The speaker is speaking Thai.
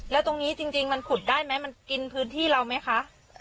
แล้วตรงนี้จริงมันขุดได้ไหมมันกินพื้นที่เราไหมคะ